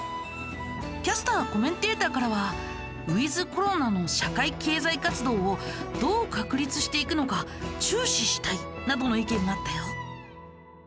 キャスター・コメンテーターからはウイズコロナの社会経済活動をどう確立していくのか注視したいなどの意見があったよ。